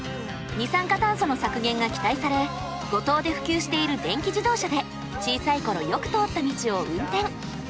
二酸化炭素の削減が期待され五島で普及している電気自動車で小さい頃よく通った道を運転。